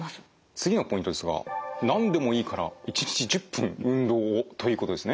次のポイントですが「何でもいいから１日１０分運動を」ということですね？